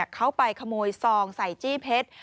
เขาไปขโมยซองใส่จี้เพชร